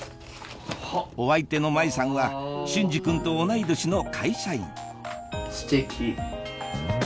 お相手のマイさんは隼司君と同い年の会社員ステキ。